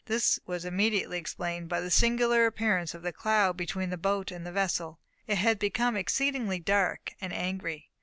This was immediately explained by the singular appearance of the cloud between the boat and the vessel. It had become exceedingly dark and angry.